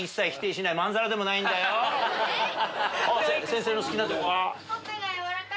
先生の好きなとこは？